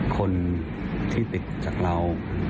คนที่ติดจากเรา